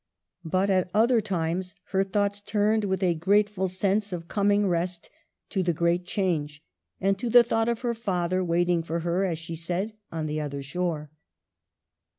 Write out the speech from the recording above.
But at other times her thoughts turned with a grateful sense of coming rest to the great change, and to the thought of her father " waiting for her/' as she said, " on the other shore."